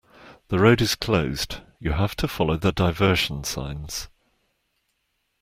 The road is closed. You have to follow the diversion signs